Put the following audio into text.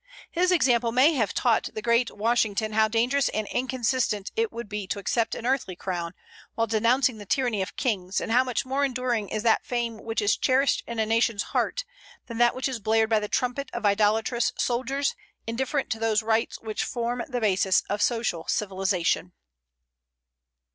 His example may even have taught the great Washington how dangerous and inconsistent it would be to accept an earthly crown, while denouncing the tyranny of kings, and how much more enduring is that fame which is cherished in a nation's heart than that which is blared by the trumpet of idolatrous soldiers indifferent to those rights which form the basis of social civilization.